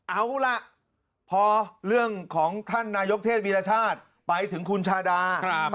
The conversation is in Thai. เอาล่ะพอเรื่องของท่านนายกเทศวีรชาติไปถึงคุณชาดา